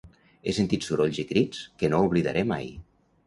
He sentit sorolls i crits que no oblidaré mai.